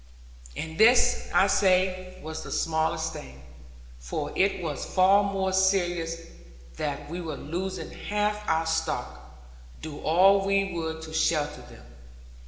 And this I say was the smallest thing; for it was far more serious that we were losing half our stock, do all we would to shelter them.